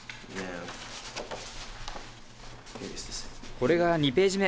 これが２ページ目。